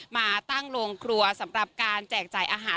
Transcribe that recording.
มาตั้งโรงครัวสำหรับการแจกจ่ายอาหาร